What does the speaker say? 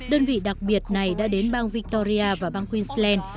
đơn vị đặc biệt này đã đến bang victoria và bang queensland